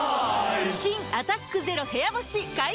新「アタックＺＥＲＯ部屋干し」解禁‼